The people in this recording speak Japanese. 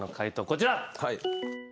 こちら。